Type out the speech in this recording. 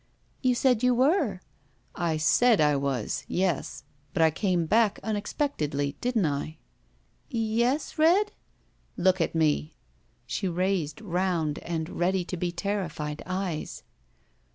"You said you were —" "I said I was. Yes. But I came back unex pectedly, didn't I?" "Y yes, Red?" "Look at me!" She raised round and ready to be terrified eyes.